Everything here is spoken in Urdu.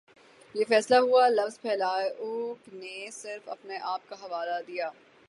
یہ فیصلہ ہوا لفظ پھیلاؤ نے صرف اپنے آپ کا حوالہ دیا